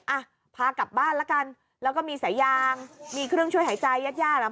อ่ะพากลับบ้านละกันแล้วก็มีสายยางมีเครื่องช่วยหายใจญาติญาติอ่ะ